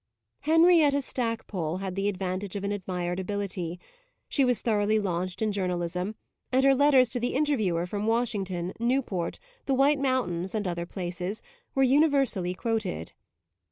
Henrietta Stackpole had the advantage of an admired ability; she was thoroughly launched in journalism, and her letters to the Interviewer, from Washington, Newport, the White Mountains and other places, were universally quoted.